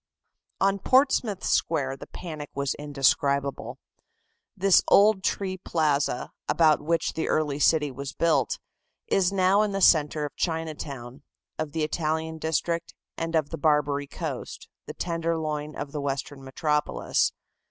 On Portsmouth Square the panic was indescribable. This old tree plaza, about which the early city was built, is now in the centre of Chinatown, of the Italian district and of the "Barbary Coast," the "Tenderloin" of the Western metropolis.